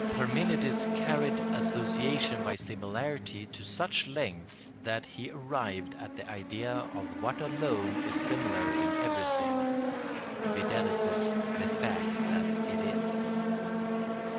Parmenides carried association by similarity to such lengths that he arrived at the idea of what alone is similar in everything, viz., the fact that it is.